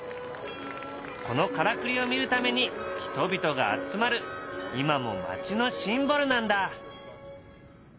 このからくりを見るために人々が集まる今も街のシンボルなんだ。